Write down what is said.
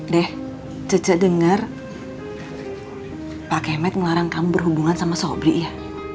deh ce denger pak kemet melarang kamu berhubungan sama sobri ya